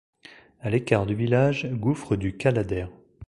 À l’écart du village, gouffre du Caladaire.